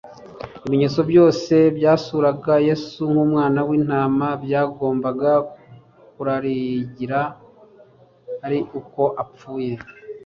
Ibimenyetso byose byasuraga Yesu nk'Umwana w'intama byagombaga kurarigira ari uko apfuye;